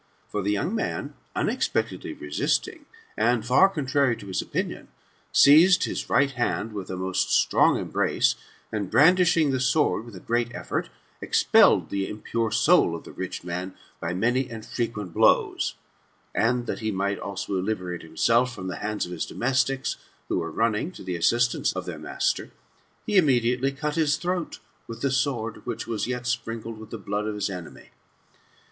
For the young man, uneiqiectedly resisting, and Uli contrary to bis opinioni seized GOLDSN ASS, OF APULBIUS. — BOOK IX. 1 6$ hit right band with a most strong embrace^ and, brandishing the sword with a great elTorti expelled the impure soul of the rich man, by many and frequent blows ; and that he might also liberate himself from the hands of his domestics, who were running [to the assistance of their master], he immediately cut his throat with the sword which was yet sprinkled with the Mood of his enemy.